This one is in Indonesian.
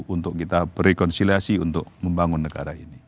untuk kita berkonsiliasi untuk membangun negara ini